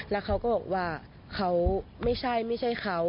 แล้วเขาก็บอกว่าเขาไม่ใช่ไม่ใช่เขา